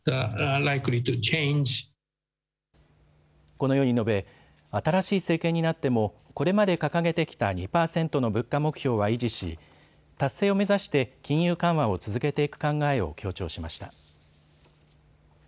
このように述べ、新しい政権になってもこれまで掲げてきた２％の物価目標は維持し達成を目指して金融緩和を続けていく考えを強調しました。